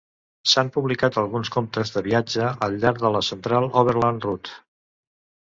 S'han publicat alguns comptes de viatge al llarg de la Central Overland Route.